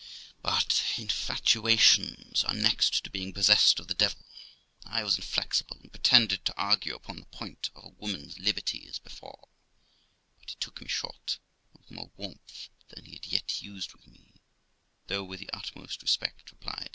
But infatuations are next to being possessed of the devil. I was inflexible, and pretended to argue upon the point of a woman's liberty as before, but he took me short, and with more warmth than he had yet used with me, though with the utmost respect, replied.